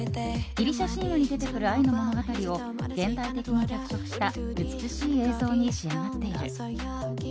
ギリシャ神話に出てくる愛の物語を現代的に脚色した美しい映像に仕上がっている。